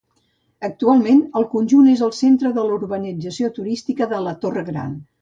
Actualment el conjunt és el centre de la urbanització turística de la Torre Gran.